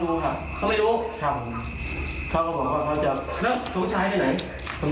ที่แยกหลังห้อง